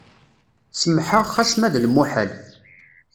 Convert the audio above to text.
Semḥeɣ xas ma d lemuḥal.